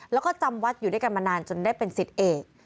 แล้วก็จำวัดอยู่ด้วยกันมานานจนได้เป็นสิทธิ์เอก